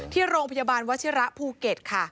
ที่โรงพยาบาลวัชิระภูเก็ตค่ะ